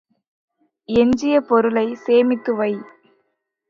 எஞ்சிய பொருளைச் சேமித்துவை.